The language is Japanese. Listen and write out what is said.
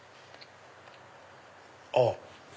あっ！